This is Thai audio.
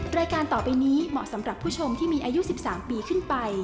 รายการต่อไปนี้เหมาะสำหรับผู้ชมที่มีอายุ๑๓ปีขึ้นไป